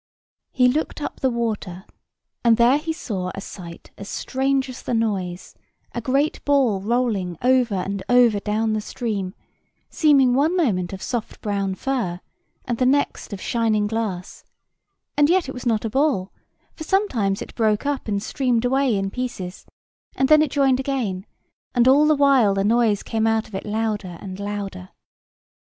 He looked up the water, and there he saw a sight as strange as the noise; a great ball rolling over and over down the stream, seeming one moment of soft brown fur, and the next of shining glass: and yet it was not a ball; for sometimes it broke up and streamed away in pieces, and then it joined again; and all the while the noise came out of it louder and louder.